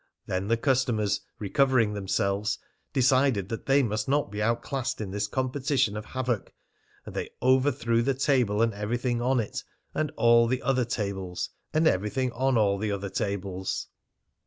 Then the customers, recovering themselves, decided that they must not be outclassed in this competition of havoc, and they overthrew the table and everything on it, and all the other tables, and everything on all the other tables.